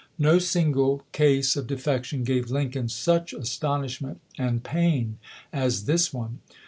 No single case of defection gave Lincoln such astonishment and pain as this one.